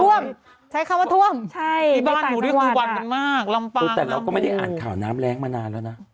ใช้คำว่าท่วมใช่ที่บ้านหนูนี่คือวันมันมากลำบากคือแต่เราก็ไม่ได้อ่านข่าวน้ำแรงมานานแล้วนะ